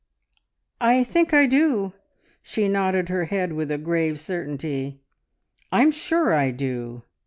"I think I do." She nodded her head with a grave certainty. "I'm sure I do.